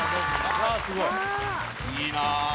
いいな。